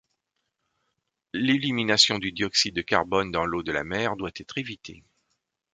L'élimination du dioxyde de carbone dans l'eau de la mer doit être évitée.